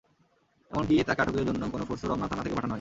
এমনকি তাঁকে আটকের জন্য কোনো ফোর্সও রমনা থানা থেকে পাঠানো হয়নি।